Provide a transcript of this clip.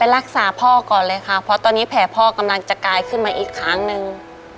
รักษาพ่อก่อนเลยค่ะเพราะตอนนี้แผลพ่อกำลังจะกลายขึ้นมาอีกครั้งหนึ่ง